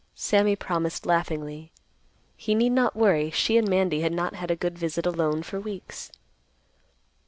Sammy promised laughingly. He need not worry; she and Mandy had not had a good visit alone for weeks.